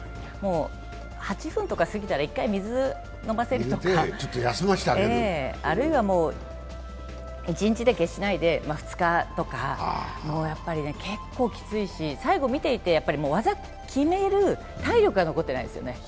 ８分とか過ぎたら、１回、水を飲ませるとか、あるいはもう一日で決しないで２日とか、結構、きついし、最後、見ていて技を決める体力が残ってないですよね。